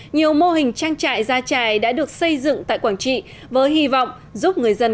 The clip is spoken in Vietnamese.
nhiều mô hình trang trại ra trại đã được xây dựng tại quảng trị với hy vọng giúp người dân